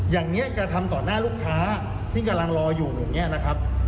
อย่างนี้กระทำต่อหน้าลูกค้าที่กำลังรออยู่อย่างนี้นะครับ